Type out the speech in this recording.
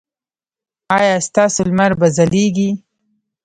ایا ستاسو لمر به ځلیږي؟